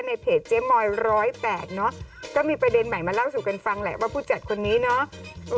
ในเพจเจ๊มอย๑๐๘เนอะก็มีประเด็นใหม่มาเล่าสู่กันฟังแหละว่าผู้จัดคนนี้เนาะ